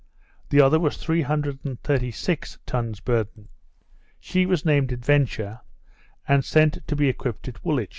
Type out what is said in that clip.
The other was three hundred and thirty six tons burden. She was named Adventure, and sent to be equipped at Woolwich.